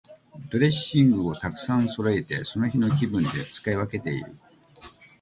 ドレッシングをたくさんそろえて、その日の気分で使い分けている。